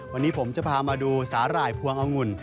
วันนี้ผมจะพามาดูสาหร่ายพวงองุ่น